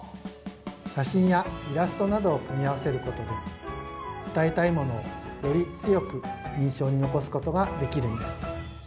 写真やイラストなどを組み合わせることで伝えたいものをより強く印象に残すことができるんです。